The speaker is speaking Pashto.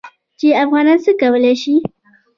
چې افغانان څه کولی شي.